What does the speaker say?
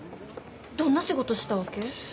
どんな仕事したわけ？